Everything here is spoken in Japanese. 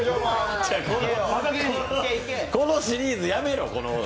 このシリーズやめろ。